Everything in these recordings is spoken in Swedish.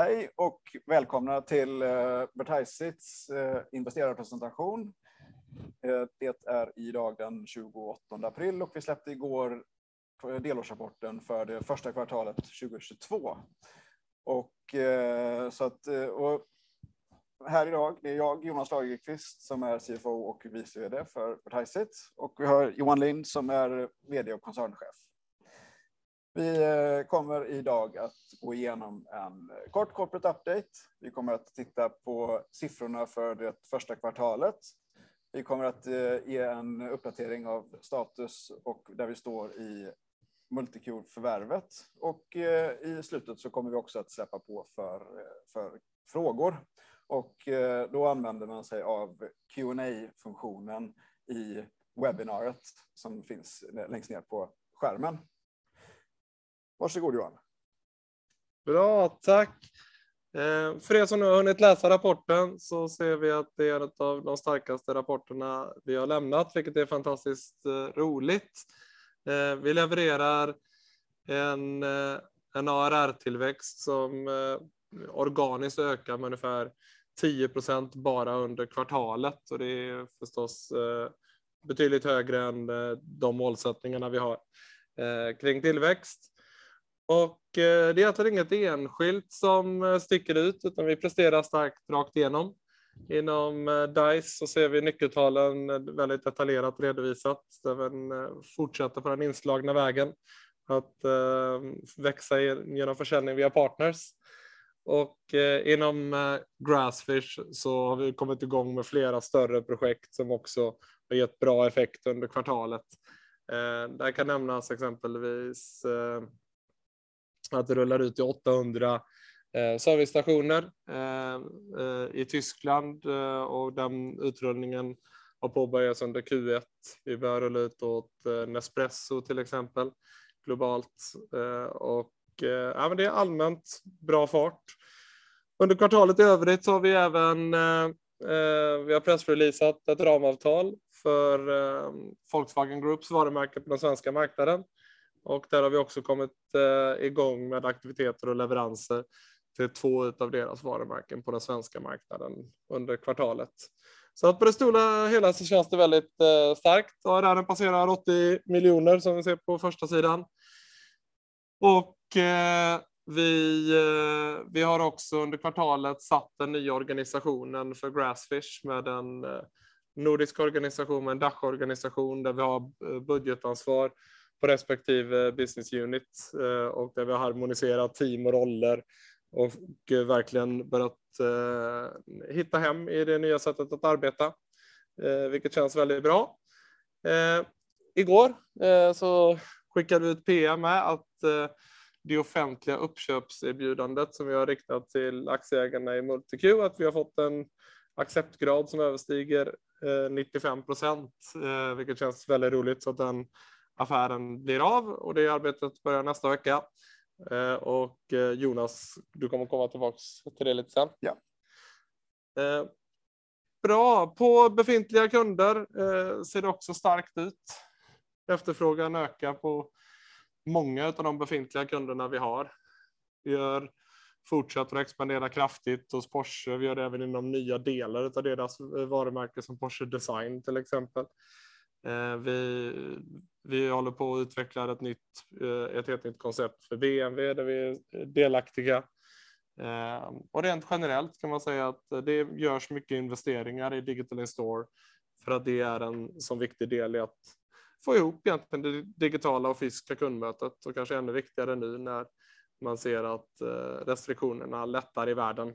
Hej och välkomna till Vertiseits investerarpresentation. Det är idag den tjugoåttonde april och vi släppte igår delårsrapporten för det första kvartalet 2022. Här idag det är jag, Jonas Lagerkvist, som är CFO och vice VD för Vertiseit. Och vi har Johan Lind som är VD och koncernchef. Vi kommer idag att gå igenom en kort corporate update. Vi kommer att titta på siffrorna för det första kvartalet. Vi kommer att ge en uppdatering av status och där vi står i MultiQ-förvärvet. I slutet kommer vi också att öppna för frågor och då använder man sig av Q&A-funktionen i webbinaret som finns längst ner på skärmen. Varsågod Johan. Bra, tack. För er som har hunnit läsa rapporten så ser vi att det är ett av de starkaste rapporterna vi har lämnat, vilket är fantastiskt roligt. Vi levererar en ARR-tillväxt som organiskt ökar med ungefär 10% bara under kvartalet. Det är förstås betydligt högre än de målsättningarna vi har kring tillväxt. Det är egentligen inget enskilt som sticker ut, utan vi presterar starkt rakt igenom. Inom Dise så ser vi nyckeltalen väldigt detaljerat redovisat. Vi fortsätter på den inslagna vägen att växa genom försäljning via partners. Inom Grassfish så har vi kommit i gång med flera större projekt som också har gett bra effekt under kvartalet. Där kan nämnas exempelvis att det rullar ut i 800 servicestationer i Tyskland och den utrullningen har påbörjats under Q1. Vi börjar rulla ut åt Nespresso till exempel, globalt. Ja, men det är allmänt bra fart. Under kvartalet i övrigt så har vi även pressreleasat ett ramavtal för Volkswagen Groups varumärke på den svenska marknaden. Där har vi också kommit igång med aktiviteter och leveranser till 2 av deras varumärken på den svenska marknaden under kvartalet. På det stora hela känns det väldigt starkt. Där den passerar SEK 80 million som vi ser på första sidan. Vi har också under kvartalet satt den nya organisationen för Grassfish med en nordisk organisation, med en DACH-organisation, där vi har budgetansvar på respektive business unit och där vi har harmoniserat team och roller och verkligen börjat hitta hem i det nya sättet att arbeta, vilket känns väldigt bra. Igår skickade vi ett PM med att det offentliga uppköpserbjudandet som vi har riktat till aktieägarna i MultiQ, att vi har fått en acceptgrad som överstiger 95%, vilket känns väldigt roligt. att den affären blir av och det arbetet börjar nästa vecka. Jonas, du kommer att komma tillbaka till det lite sen. Ja. Bra, på befintliga kunder ser det också starkt ut. Efterfrågan ökar på många av de befintliga kunderna vi har. Vi fortsätter att expandera kraftigt hos Porsche. Vi gör det även inom nya delar utav deras varumärke som Porsche Design till exempel. Vi håller på och utvecklar ett helt nytt koncept för BMW, där vi är delaktiga. Rent generellt kan man säga att det görs mycket investeringar i digital in-store för att det är en sådan viktig del i att få ihop egentligen det digitala och fysiska kundmötet. Kanske ännu viktigare nu när man ser att restriktionerna lättar i världen.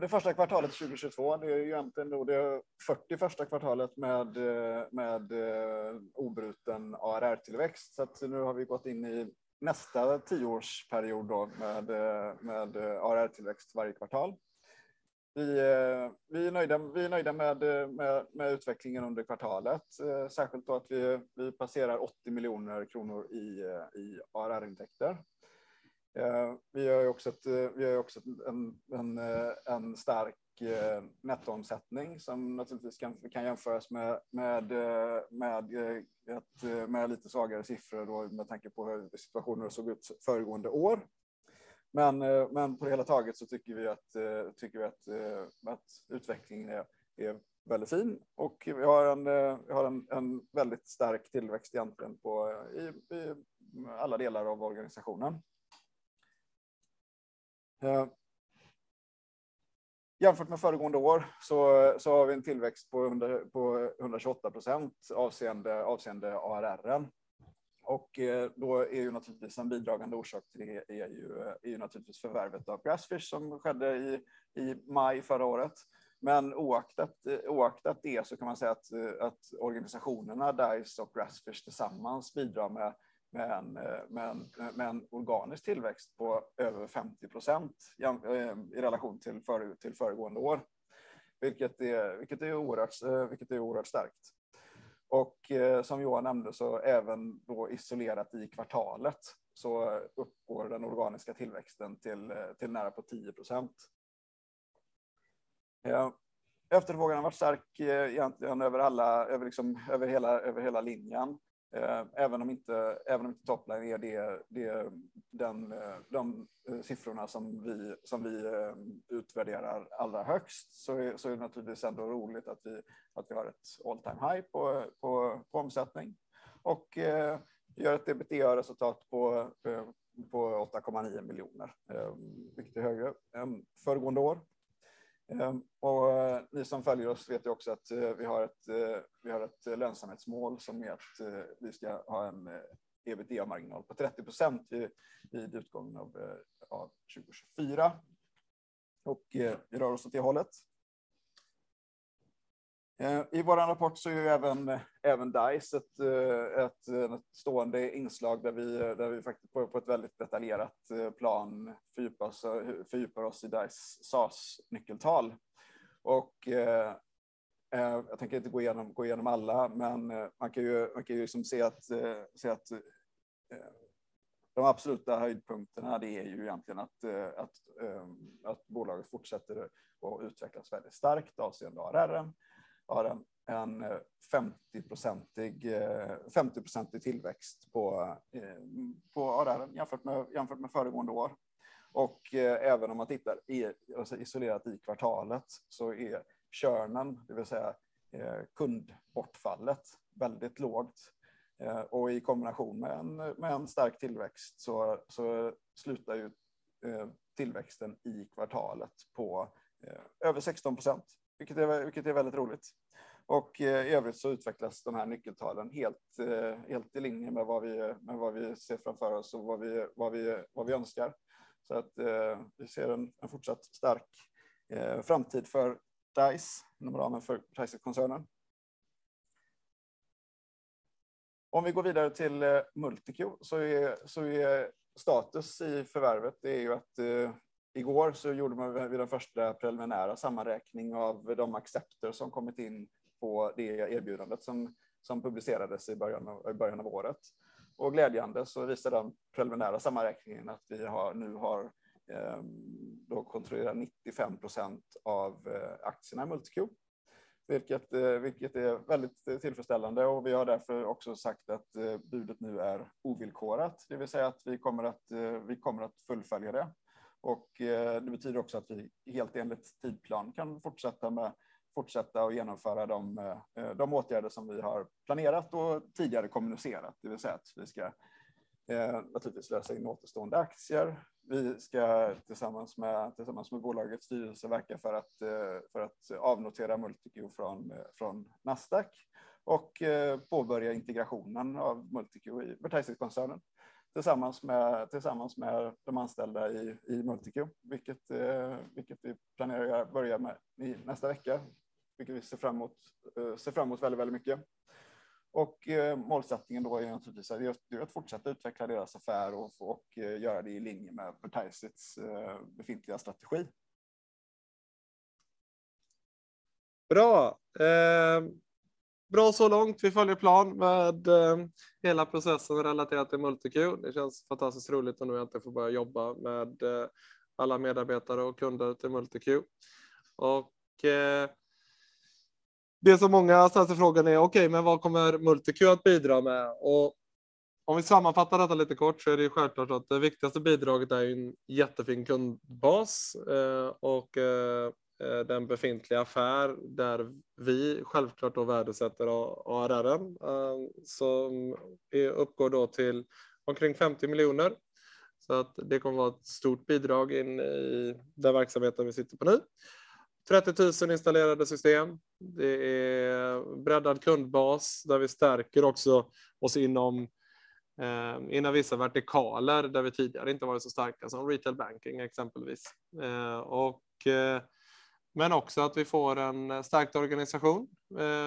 Det första kvartalet 2022, det är ju egentligen nog det 41:a kvartalet med obruten ARR-tillväxt. Nu har vi gått in i nästa tioårsperiod då med ARR-tillväxt varje kvartal. Vi är nöjda med utvecklingen under kvartalet. Särskilt då att vi passerar 80 miljoner SEK i ARR-intäkter. Vi gör ju också en stark nettoomsättning som naturligtvis kan jämföras med lite svagare siffror då med tanke på hur situationen såg ut föregående år. Men på hela taget så tycker vi att utvecklingen är väldigt fin och vi har en väldigt stark tillväxt egentligen i alla delar av organisationen. Jämfört med föregående år så har vi en tillväxt på 128% avseende ARR:en. Då är ju naturligtvis en bidragande orsak till det, är ju naturligtvis förvärvet av Grassfish som skedde i maj förra året. Men oaktat det så kan man säga att organisationerna Dise och Grassfish tillsammans bidrar med en organisk tillväxt på över 50% i relation till föregående år, vilket är oerhört starkt. Som Johan nämnde så även då isolerat i kvartalet så uppgår den organiska tillväxten till nära på 10%. Ja, efterfrågan har varit stark egentligen över alla, över hela linjen. Även om inte top line är det de siffrorna som vi utvärderar allra högst. Så är det naturligtvis ändå roligt att vi har ett all time high på omsättning. Vi gör ett EBITA-resultat på SEK 8.9 million, mycket högre än föregående år. Ni som följer oss vet ju också att vi har ett lönsamhetsmål som är att vi ska ha en EBITA-marginal på 30% vid utgången av 2024. Vi rör oss åt det hållet. I vår rapport så är även Dise ett stående inslag där vi faktiskt på ett väldigt detaljerat plan fördjupar oss i Dise SaaS nyckeltal. Jag tänker inte gå igenom alla, men man kan ju liksom se att de absoluta höjdpunkterna, det är ju egentligen att bolaget fortsätter att utvecklas väldigt starkt avseende ARR. Har en 50% tillväxt på ARR jämfört med föregående år. Även om man tittar isolerat i kvartalet så är churnen, det vill säga kundbortfallet, väldigt lågt. I kombination med en stark tillväxt så slutar ju tillväxten i kvartalet på över 16%, vilket är väldigt roligt. I övrigt så utvecklas de här nyckeltalen helt i linje med vad vi ser framför oss och vad vi önskar. Vi ser en fortsatt stark framtid för Dise inom ramen för Dise-koncernen. Om vi går vidare till MultiQ så är status i förvärvet det är ju att igår så gjorde man den första preliminära sammanräkningen av de accepter som kommit in på det erbjudandet som publicerades i början av året. Glädjande så visar den preliminära sammanräkningen att vi nu har kontroll över 95% av aktierna i MultiQ, vilket är väldigt tillfredsställande. Vi har därför också sagt att budet nu är ovillkorat. Det vill säga att vi kommer att fullfölja det. Det betyder också att vi helt enligt tidplan kan fortsätta med att genomföra de åtgärder som vi har planerat och tidigare kommunicerat. Det vill säga att vi ska naturligtvis lösa in återstående aktier. Vi ska tillsammans med bolagets styrelse verka för att avnotera MultiQ från Nasdaq och påbörja integrationen av MultiQ i Vertiseit-koncernen. Tillsammans med de anställda i MultiQ, vilket vi planerar att börja med i nästa vecka. Vilket vi ser fram emot väldigt mycket. Målsättningen då är naturligtvis att fortsätta utveckla deras affär och göra det i linje med Vertiseits befintliga strategi. Bra. Bra så långt. Vi följer plan med hela processen relaterat till MultiQ. Det känns fantastiskt roligt att nu äntligen få börja jobba med alla medarbetare och kunder till MultiQ. Det som många ställer frågan är okej, men vad kommer MultiQ att bidra med? Om vi sammanfattar detta lite kort så är det ju självklart att det viktigaste bidraget är ju en jättefin kundbas och den befintliga affär där vi självklart då värdesätter ARR:en som uppgår då till omkring SEK 50 million. Så att det kommer vara ett stort bidrag in i den verksamheten vi sitter på nu. 30,000 installerade system. Det är breddad kundbas där vi stärker också oss inom vissa vertikaler där vi tidigare inte varit så starka som retail banking exempelvis. Men också att vi får en stärkt organisation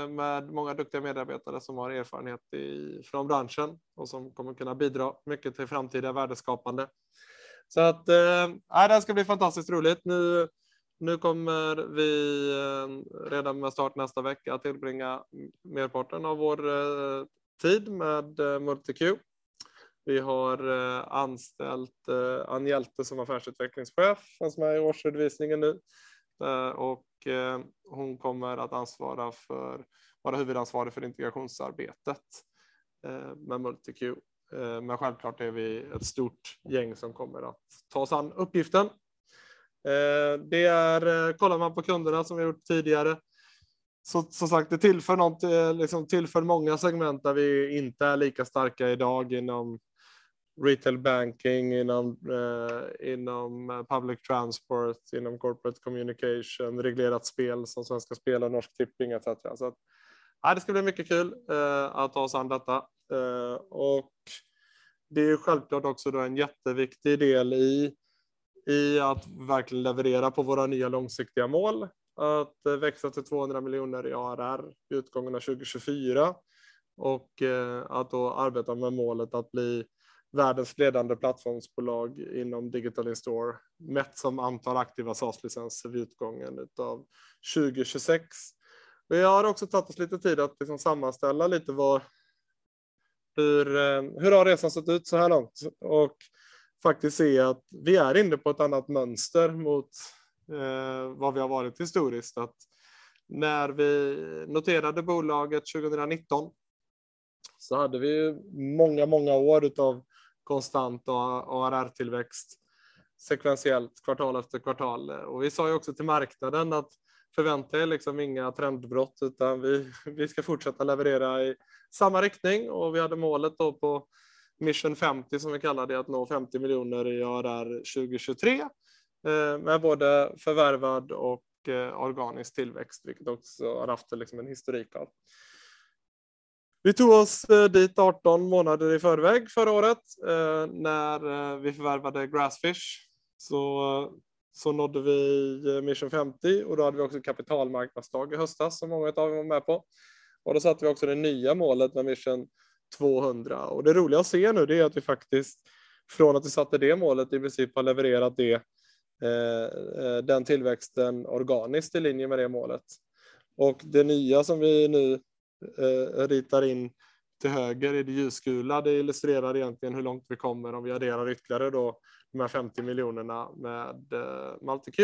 med många duktiga medarbetare som har erfarenhet i från branschen och som kommer kunna bidra mycket till framtida värdeskapande. Så att det ska bli fantastiskt roligt. Nu kommer vi redan med start nästa vecka att tillbringa merparten av vår tid med MultiQ. Vi har anställt Ann Hjälte som affärsutvecklingschef som är i årsredovisningen nu. Hon kommer att ansvara för vara huvudansvarig för integrationsarbetet med MultiQ. Självklart är vi ett stort gäng som kommer att ta oss an uppgiften. Det är kollar man på kunderna som vi har gjort tidigare. Så sagt det tillför någonting liksom tillför många segment där vi inte är lika starka i dag inom retail banking inom public transport inom corporate communication reglerat spel som Svenska Spel och Norsk Tipping et cetera. Det ska bli mycket kul att ta oss an detta. Det är självklart också då en jätteviktig del i att verkligen leverera på våra nya långsiktiga mål. Att växa till SEK 200 miljoner i ARR vid utgången av 2024. Att då arbeta med målet att bli världens ledande plattformsbolag inom Digital In-store, mätt som antal aktiva SaaS-licenser vid utgången av 2026. Vi har också tagit oss lite tid att liksom sammanställa lite var- Hur har resan sett ut såhär långt? Faktiskt ser att vi är inne på ett annat mönster mot vad vi har varit historiskt. När vi noterade bolaget 2019 så hade vi många år av konstant och ARR-tillväxt sekventiellt kvartal efter kvartal. Vi sa ju också till marknaden att förvänta er liksom inga trendbrott, utan vi ska fortsätta leverera i samma riktning. Vi hade målet då på Mission 50, som vi kallar det, att nå SEK 50 miljoner i ARR 2023 med både förvärvad och organisk tillväxt, vilket också har haft en historik på. Vi tog oss dit 18 månader i förväg förra året när vi förvärvade Grassfish. Så nådde vi Mission 50 och då hade vi också ett kapitalmarknadsdag i höstas som många av er var med på. Då satte vi också det nya målet med Mission 200. Det roliga att se nu det är att vi faktiskt från att vi satte det målet i princip har levererat det, den tillväxten organiskt i linje med det målet. Det nya som vi nu ritar in till höger i det ljusgula, det illustrerar egentligen hur långt vi kommer om vi adderar ytterligare då de här SEK 50 miljonerna med MultiQ.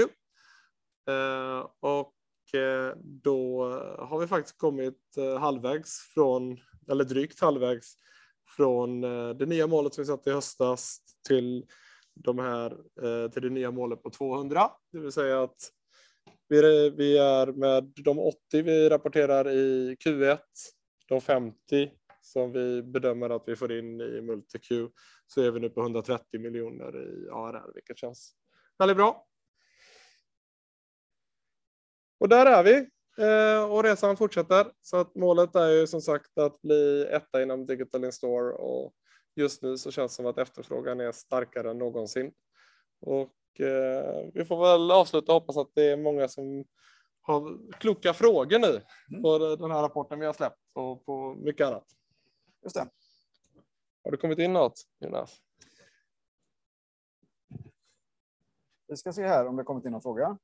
Då har vi faktiskt kommit halvvägs från, eller drygt halvvägs från det nya målet som vi satte i höstas till de här, till det nya målet på 200. Det vill säga att vi är med de 80 vi rapporterar i Q1, de 50 som vi bedömer att vi får in i MultiQ, så är vi nu på SEK 130 miljoner i ARR, vilket känns väldigt bra. Där är vi och resan fortsätter. Att målet är ju som sagt att bli etta inom Digital In-store och just nu så känns det som att efterfrågan är starkare än någonsin. Vi får väl avsluta och hoppas att det är många som har kloka frågor nu för den här rapporten vi har släppt och på mycket annat. Just det. Har det kommit in något, Jonas? Vi ska se här om det kommit in någon fråga.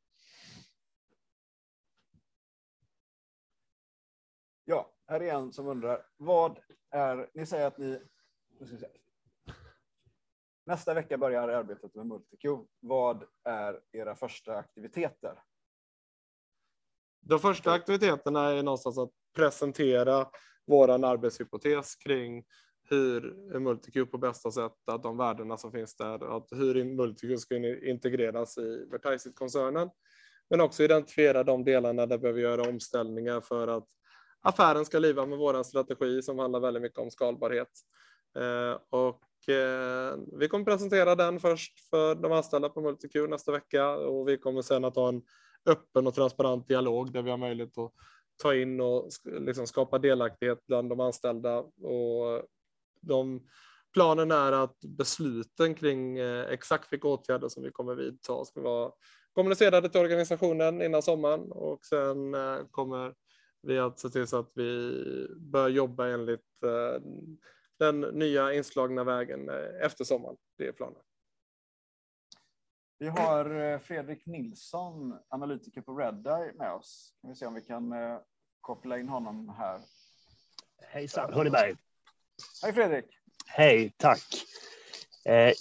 Ja, här är en som undrar: Ni säger att ni nästa vecka börjar arbetet med MultiQ. Vad är era första aktiviteter? De första aktiviteterna är någonstans att presentera våran arbetshypotes kring hur MultiQ på bästa sätt, att de värdena som finns där, att hur MultiQ ska integreras i Vertiseit-koncernen. Också identifiera de delarna där vi behöver göra omställningar för att affären ska leva med vår strategi som handlar väldigt mycket om skalbarhet. Vi kommer presentera den först för de anställda på MultiQ nästa vecka och vi kommer sedan att ha en öppen och transparent dialog där vi har möjligt att ta in och liksom skapa delaktighet bland de anställda. Planen är att besluten kring exakt vilka åtgärder som vi kommer vidta ska vara kommunicerade till organisationen innan sommaren. Sen kommer vi att se till så att vi börjar jobba enligt den nya inslagna vägen efter sommaren. Det är planen. Vi har Fredrik Nilsson, analytiker på Redeye, med oss. Då ska vi se om vi kan koppla in honom här. Hejsan, hör ni mig? Hej Fredrik. Hej, tack.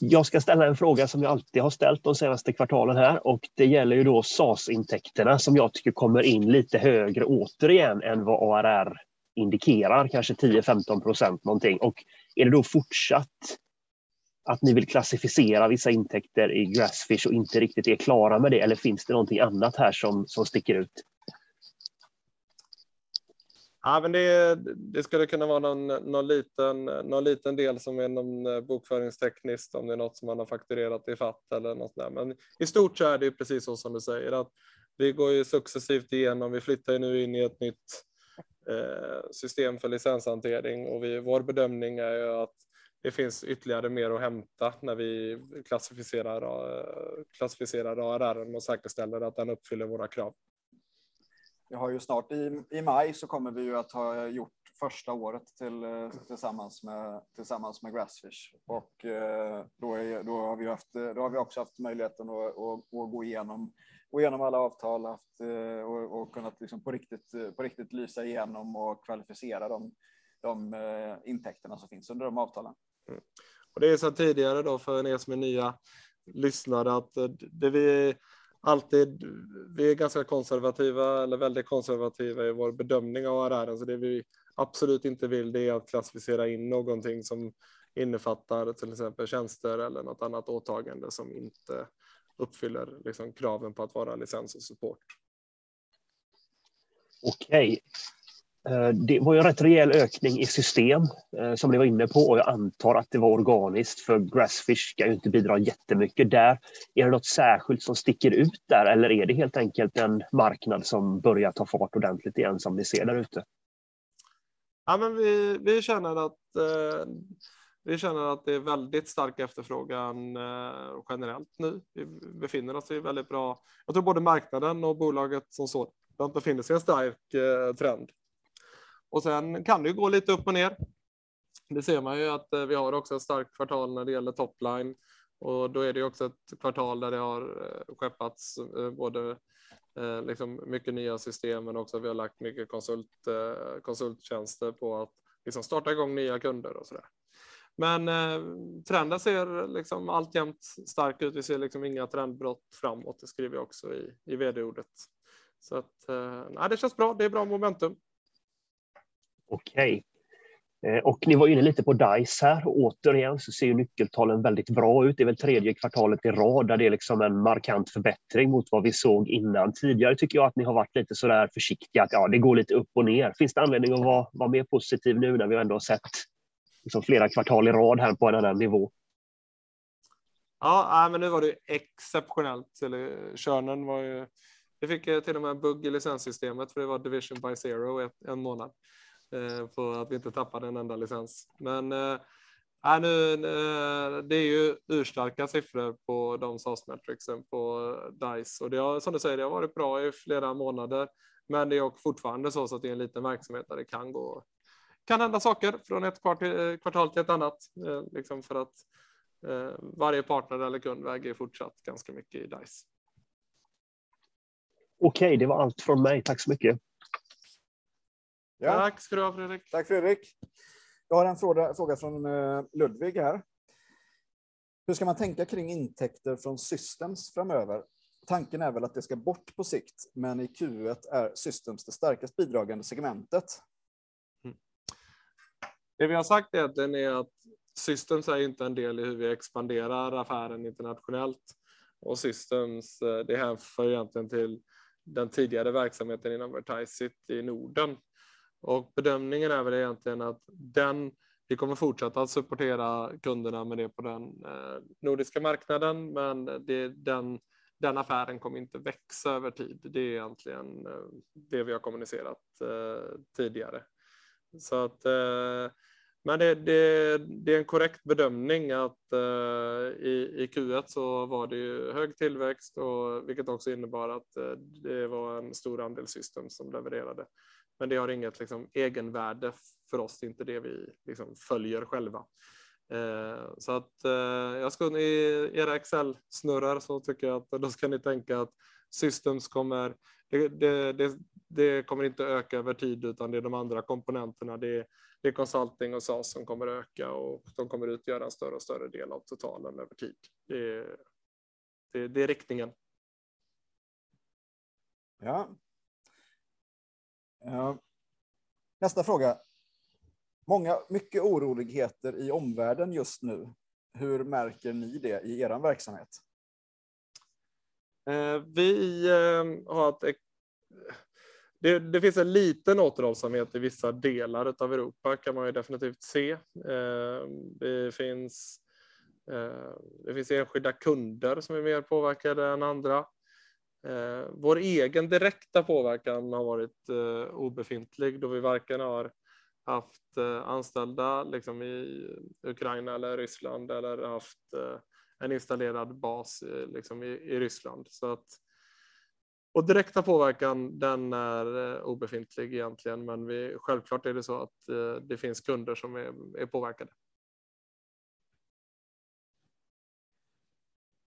Jag ska ställa en fråga som jag alltid har ställt de senaste kvartalen här och det gäller ju då SaaS-intäkterna som jag tycker kommer in lite högre återigen än vad ARR indikerar, kanske 10%-15% någonting. Är det då fortsatt att ni vill klassificera vissa intäkter i Grassfish och inte riktigt är klara med det? Eller finns det någonting annat här som sticker ut? Ja, men det skulle kunna vara någon liten del som är någon bokföringstekniskt, om det är något som man har fakturerat i förväg eller något sådär. I stort så är det ju precis så som du säger att vi går ju successivt igenom. Vi flyttar ju nu in i ett nytt system för licenshantering och vår bedömning är ju att det finns ytterligare mer att hämta när vi klassificerar ARR:en och säkerställer att den uppfyller våra krav. Vi har ju snart i maj så kommer vi ju att ha gjort första året tillsammans med Grassfish. Då har vi också haft möjligheten att gå igenom alla avtal och kunnat liksom på riktigt lysa igenom och kvalificera de intäkterna som finns under de avtalen. Det jag sa tidigare då för er som är nya lyssnare vi är ganska konservativa eller väldigt konservativa i vår bedömning av ARR:en. Det vi absolut inte vill är att klassificera in någonting som innefattar till exempel tjänster eller något annat åtagande som inte uppfyller kraven på att vara licens och support. Okej, det var ju en rätt rejäl ökning i Systems som ni var inne på och jag antar att det var organiskt för Grassfish ska ju inte bidra jättemycket där. Är det något särskilt som sticker ut där eller är det helt enkelt en marknad som börjar ta fart ordentligt igen som vi ser där ute? Ja, men vi känner att det är väldigt stark efterfrågan generellt nu. Vi befinner oss i väldigt bra. Jag tror både marknaden och bolaget som sådant befinner sig i en stark trend. Sen kan det ju gå lite upp och ner. Det ser man ju att vi har också ett starkt kvartal när det gäller top line och då är det också ett kvartal där det har skeppats både, liksom mycket nya system men också vi har lagt mycket konsulttjänster på att liksom starta igång nya kunder och sådär. Trenden ser liksom alltjämt stark ut. Vi ser liksom inga trendbrott framåt. Det skriver jag också i VD-ordet. Nej, det känns bra. Det är bra momentum. Okej. Ni var inne lite på Dise här. Återigen så ser nyckeltalen väldigt bra ut. Det är väl tredje kvartalet i rad där det är liksom en markant förbättring mot vad vi såg innan. Tidigare tycker jag att ni har varit lite sådär försiktiga att ja, det går lite upp och ner. Finns det anledning att vara mer positiv nu när vi ändå har sett flera kvartal i rad här på en annan nivå? Ja, nej men nu var det exceptionellt. Eller churn var ju. Vi fick till och med bugg i licenssystemet för det var division by zero en månad för att vi inte tappade en enda licens. Men nej nu, det är ju urstarka siffror på den SaaS-matrixen på Dise. Och det har, som du säger, det har varit bra i flera månader, men det är fortfarande så att det är en liten verksamhet där det kan gå, kan hända saker från ett kvartal till ett annat. Liksom för att varje partner eller kund väger fortsatt ganska mycket i Dise. Okej, det var allt från mig. Tack så mycket. Tack ska du ha, Fredrik. Tack, Fredrik. Jag har en fråga från Ludwig här. Hur ska man tänka kring intäkter från Systems framöver? Tanken är väl att det ska bort på sikt, men i Q1 är Systems det starkast bidragande segmentet. Det vi har sagt är att den är Systems är inte en del i hur vi expanderar affären internationellt. Systems det hänför egentligen till den tidigare verksamheten inom Vertiseit i Norden. Bedömningen är väl egentligen att vi kommer fortsätta att supportera kunderna med det på den nordiska marknaden, men den affären kommer inte växa över tid. Det är egentligen det vi har kommunicerat tidigare. Det är en korrekt bedömning att i Q1 så var det ju hög tillväxt, och vilket också innebar att det var en stor andel Systems som levererade. Det har inget kinda egenvärde för oss. Det är inte det vi kinda följer själva. Jag skulle era Excel snurrar så tycker jag att då ska ni tänka att Systems kommer det kommer inte öka över tid, utan det är de andra komponenterna. Det är Consulting och SaaS som kommer öka och de kommer utgöra en större och större del av totalen över tid. Det är riktningen. Ja. Nästa fråga. Mycket oroligheter i omvärlden just nu. Hur märker ni det i eran verksamhet? Det finns en liten återhållsamhet i vissa delar av Europa kan man ju definitivt se. Det finns enskilda kunder som är mer påverkade än andra. Vår egen direkta påverkan har varit obefintlig då vi varken har haft anställda liksom i Ukraina eller Ryssland eller haft en installerad bas liksom i Ryssland. Direkta påverkan, den är obefintlig egentligen. Men vi, självklart är det så att det finns kunder som är påverkade.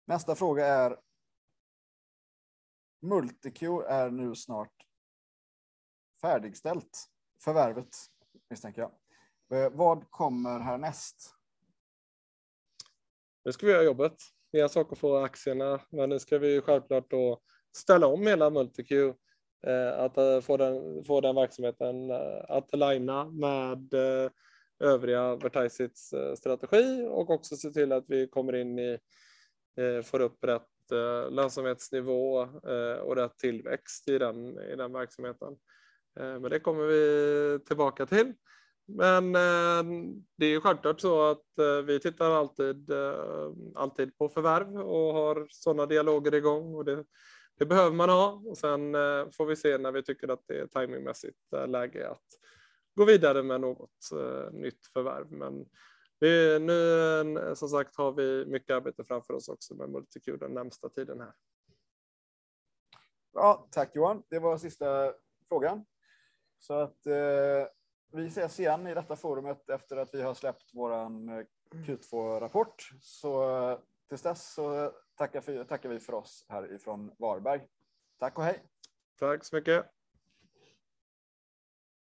Nästa fråga är: MultiQ är nu snart färdigställt. Förvärvet misstänker jag. Vad kommer härnäst? Nu ska vi göra jobbet. Vi har saker för aktierna, men nu ska vi självklart då ställa om hela MultiQ. Att få den verksamheten att line:a med övriga Vertiseits strategi och också se till att vi kommer in i, får upp rätt lönsamhetsnivå och rätt tillväxt i den verksamheten. Men det kommer vi tillbaka till. Men det är ju självklart så att vi tittar alltid på förvärv och har sådana dialoger i gång. Och det behöver man ha. Och sen får vi se när vi tycker att det är tajmingmässigt läge att gå vidare med något nytt förvärv. Men nu som sagt har vi mycket arbete framför oss också med MultiQ den närmsta tiden här. Ja, tack Johan. Det var sista frågan. Att vi ses igen i detta forumet efter att vi har släppt våran Q2-rapport. Tills dess tackar vi för oss här ifrån Varberg. Tack och hej. Tack så mycket.